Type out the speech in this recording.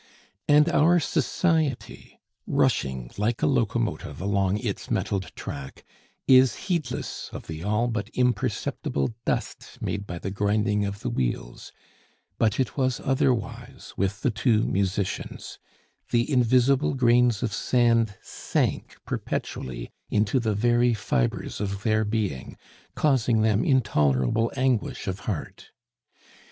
And our society, rushing like a locomotive along its metaled track, is heedless of the all but imperceptible dust made by the grinding of the wheels; but it was otherwise with the two musicians; the invisible grains of sand sank perpetually into the very fibres of their being, causing them intolerable anguish of heart.